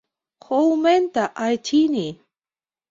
— Хоумента, ӓйтини!